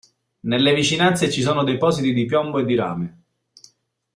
Nelle vicinanze ci sono depositi di piombo e di rame.